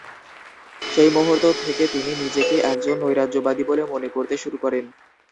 সেই মুহূর্ত থেকে তিনি নিজেকে একজন নৈরাজ্যবাদী বলে মনে করতে শুরু করেন।